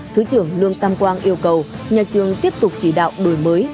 thứ trưởng lương tam quang yêu cầu nhà trường tiếp tục chỉ đạo đổi mới